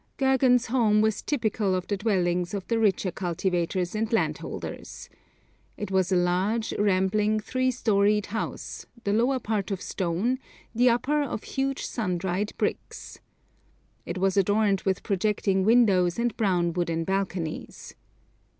Gergan's home was typical of the dwellings of the richer cultivators and landholders. It was a large, rambling, three storeyed house, the lower part of stone, the upper of huge sun dried bricks. It was adorned with projecting windows and brown wooden balconies.